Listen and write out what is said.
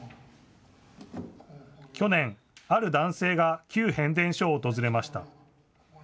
去年、ある男性が旧変電所を訪れました。